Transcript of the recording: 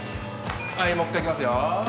はいもう一回いきますよ。